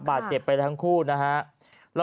บาดเจ็บไปทั้งคู่นะฮะ